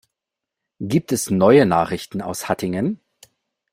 Gibt es neue Nachrichten aus Hattingen?